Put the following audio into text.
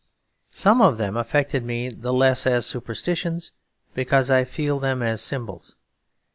Some of them affect me the less as superstitions, because I feel them as symbols.